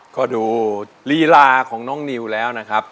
ก็ดูลีลาของน้องนิวแล้วนะครับ